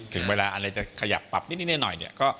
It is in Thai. ถึงเวลาอะไรจะขยับปรับนิดหน่อยเนี่ย